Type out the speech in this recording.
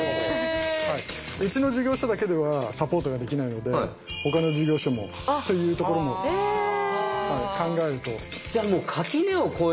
うちの事業所だけではサポートができないのでほかの事業所もっていうところも考えると。